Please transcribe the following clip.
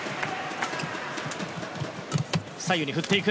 左右に振っていく。